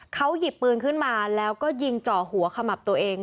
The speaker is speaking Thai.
เขาหยิบปืนขึ้นมาแล้วก็ยิงเจาะหัวขมับตัวเอง